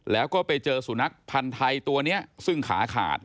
แล้วก็ไปเจอสุนัขพันธ์ไทยตัวนี้ซึ่งขาขาด